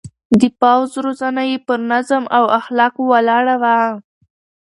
د پوځ روزنه يې پر نظم او اخلاقو ولاړه وه.